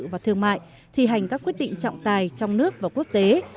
và thương mại thi hành các quyết định trọng tài trong nước và quốc tế